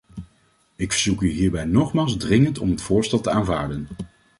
Ik verzoek u hierbij nogmaals dringend om het voorstel te aanvaarden.